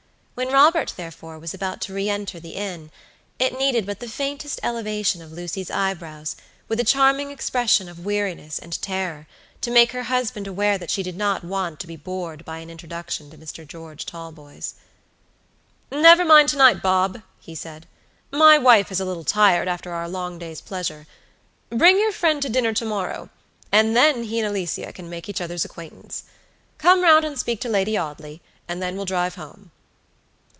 When Robert, therefore, was about to re enter the inn, it needed but the faintest elevation of Lucy's eyebrows, with a charming expression of weariness and terror, to make her husband aware that she did not want to be bored by an introduction to Mr. George Talboys. "Never mind to night, Bob," he said. "My wife is a little tired after our long day's pleasure. Bring your friend to dinner to morrow, and then he and Alicia can make each other's acquaintance. Come round and speak to Lady Audley, and then we'll drive home."